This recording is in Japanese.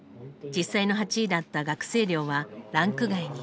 実際の８位だった「学生寮」はランク外に。